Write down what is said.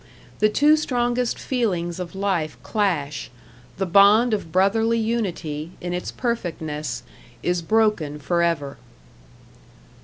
The two strongest feelings of life clash; the bond of brotherly unity, in its perfectness, is broken for ever.